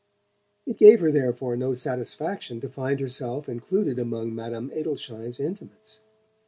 It gave her, therefore, no satisfaction to find herself included among Madame Adelschein's intimates.